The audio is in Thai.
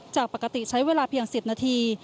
จากปกติใช้เวลาเพียง๑๐นาที